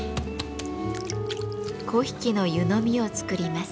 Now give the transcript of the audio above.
粉引の湯飲みを作ります。